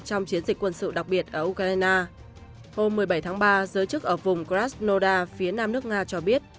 trong chiến dịch quân sự đặc biệt ở ukraine hôm một mươi bảy tháng ba giới chức ở vùng krasnoda phía nam nước nga cho biết